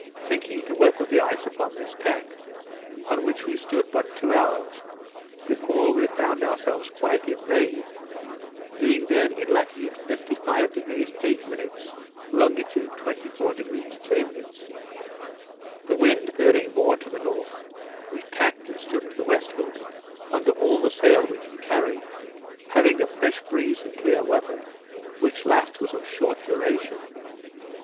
thinking to weather the ice upon this tack; on which we stood but two hours, before we found ourselves quite imbayed, being then in latitude 55° 8', longitude 24° 3'. The wind veering more to the north, we tacked and stood to the westward under all the sail we could carry, having a fresh breeze and clear weather, which last was of short duration.